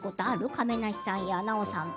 亀梨さんや奈緒さんと。